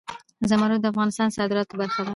زمرد د افغانستان د صادراتو برخه ده.